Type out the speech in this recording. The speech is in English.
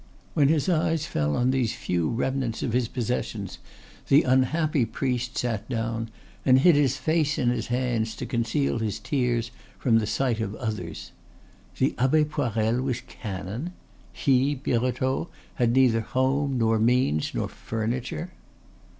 When he eyes fell on these few remnants of his possessions the unhappy priest sat down and hid his face in his hands to conceal his tears from the sight of others. The Abbe Poirel was canon! He, Birotteau, had neither home, nor means, nor furniture!